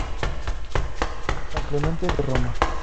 San Clemente de Roma.